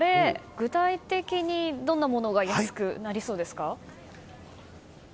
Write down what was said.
具体的にどんなものが安くなりそうですか？